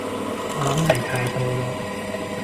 我諗係太多囉